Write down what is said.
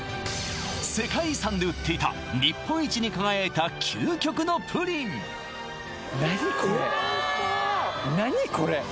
世界遺産で売っていた日本一に輝いた究極のプリンうわおいしそう！